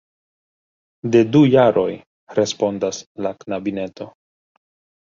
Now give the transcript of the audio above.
De du jaroj, respondas la knabineto.